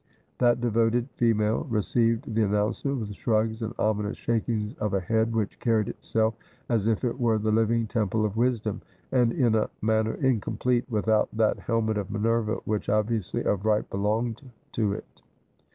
That devoted female received the announcement with shrugs and ominous shakings of a head which carried itself as if it were the living temple of wisdom, and in a manner incomplete with out that helmet of Minerva which obviously of right belonged to it.